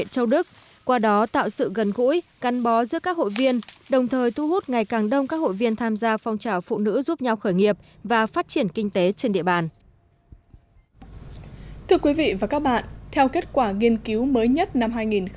thưa quý vị và các bạn theo kết quả nghiên cứu mới nhất năm hai nghìn một mươi tám